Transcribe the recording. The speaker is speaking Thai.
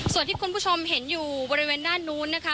ส่วนที่คุณผู้ชมเห็นอยู่บริเวณด้านนู้นนะคะ